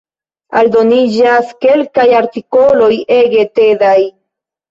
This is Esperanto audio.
Aldoniĝas kelkaj artikoloj ege tedaj.